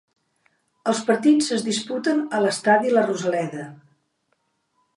Els partits es disputen a l'estadi La Rosaleda.